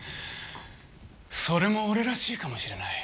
それも俺らしいかもしれない。